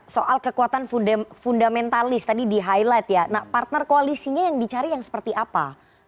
soal kekuatan fundamentalis tadi di highlight ya nah partner koalisinya yang dicari yang seperti apa